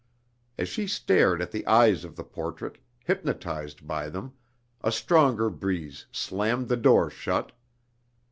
As she stared at the eyes of the portrait, hypnotized by them, a stronger breeze slammed the door shut.